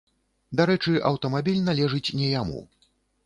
Дарэчы, аўтамабіль належыць не яму.